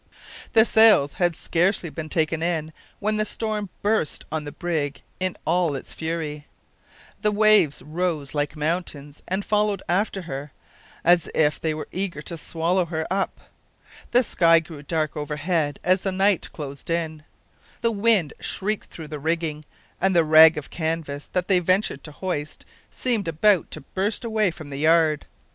The sails had scarcely been taken in when the storm burst on the brig in all its fury. The waves rose like mountains and followed after her, as if they were eager to swallow her up. The sky grew dark overhead as the night closed in, the wind shrieked through the rigging, and the rag of canvas that they ventured to hoist seemed about to burst away from the yard.